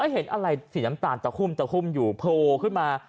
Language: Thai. เห็นอะไรสีน้ำตาลตะคุ่มตะคุ่มอยู่โผล่ขึ้นมา